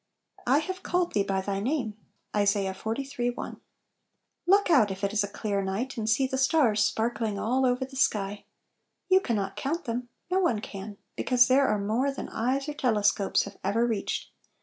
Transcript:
"I have called thee by thy name." ISA. tIiii L, LOOK out, if it is a clear night, and see the stars sparkling all over the sky. You can not count them; no one can, because there are more than eyes or telescopes have ever reached.